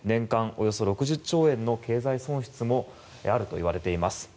およそ６０兆円の経済損失もあるといわれています。